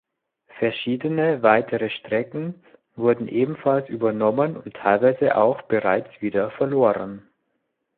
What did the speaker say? Verschiedene weitere Strecken wurden ebenfalls übernommen und teilweise auch bereits wieder verloren.